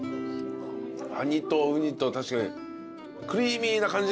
カニとウニと確かにクリーミーな感じですね。